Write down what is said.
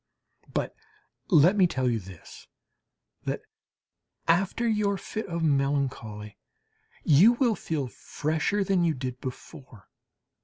But let me tell you this, that after your fit of melancholy you will feel fresher than you did before.